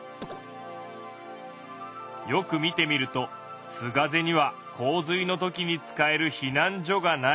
よく見てみると須ヶ瀬には洪水のときに使える避難所がない。